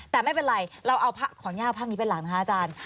แต่ไม่เป็นไรขอแย่เอาภาพนี้เป็นหลักนะคะอาจารย์